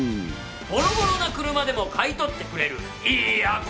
ボロボロな車でも買取ってくれるいや